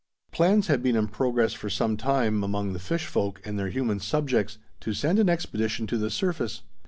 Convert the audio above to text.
Plans had been in progress for some time, among the fish folk and their human subjects, to send an expedition to the surface.